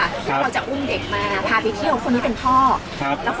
แล้วเราจะอุ่มเด็กมาพาไปเที่ยวคนนั้นเป็นพ่อ